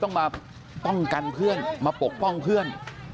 ต้องมาป้องกันเพื่อนมาปกป้องเพื่อน